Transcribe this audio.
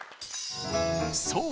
そう！